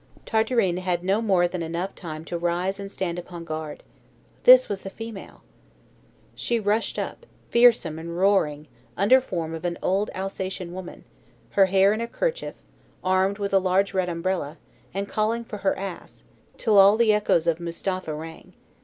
Tartarin had no more than enough time to rise and stand upon guard. This was the female! She rushed up, fearsome and roaring, under form of an old Alsatian woman, her hair in a kerchief, armed with large red umbrella, and calling for her ass, till all the echoes of Mustapha rang.